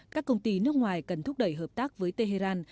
các công ty nước ngoài cần thúc đẩy hợp tác với tehran